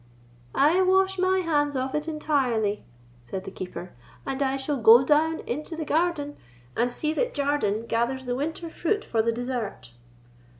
"I wash my hands of it entirely," said the Keeper; "and I shall go down into the garden, and see that Jardine gathers the winter fruit for the dessert."